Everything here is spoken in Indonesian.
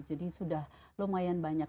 jadi sudah lumayan banyak